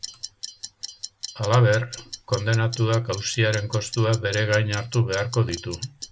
Halaber, kondenatuak auziaren kostuak bere gain hartu beharko ditu.